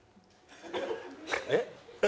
えっ？